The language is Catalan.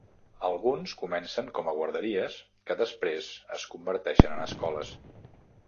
Alguns comencen com a guarderies, que després es converteixen en escoles.